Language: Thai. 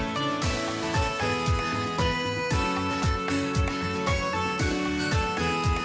สวัสดีครับ